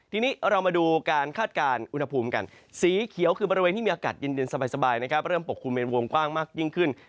ทีนี้เรามาดูการคาดการณ์อุณหภูมิกันสีเขียวคือบริเวณที่มีอากาศเย็นสบายนะครับเริ่มปกคลุมเป็นวงกว้างมากยิ่งขึ้น